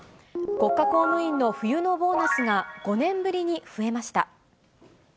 国家公務員の冬のボーナスが、５年ぶりに増えました。